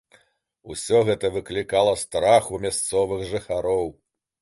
Усё гэта выклікала страх у мясцовых жыхароў.